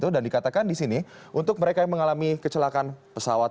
dan dikatakan di sini untuk mereka yang mengalami kecelakaan pesawat